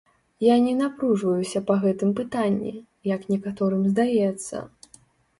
Я не напружваюся па гэтым пытанні, як некаторым здаецца.